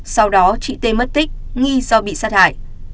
sau đó chị tê mất tích nghi do bị sát hại